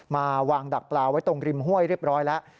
มาวางดักปลาไว้ตรงริมห้วยเรียบร้อยแล้ว